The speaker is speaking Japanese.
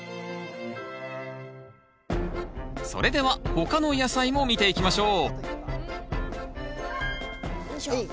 それでは他の野菜も見ていきましょうよいしょ。